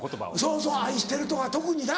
そうそう「愛してる」とか特にな。